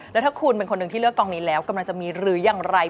แล้วถ้าคุณเป็นคนหนึ่งที่เลือกกองนี้แล้วกำลังจะมีหรืออย่างไร